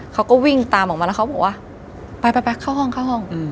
เขาก็วิ่งตามออกมาแล้วเขาบอกว่าไปเข้าห้อง